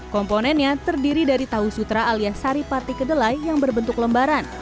komponennya terdiri dari tawusutra alias sari parti kedelai yang berbentuk lembaran